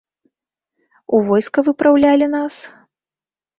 У войска выпраўлялі нас?